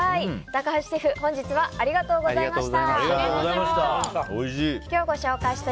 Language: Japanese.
高橋シェフ本日はありがとうございました。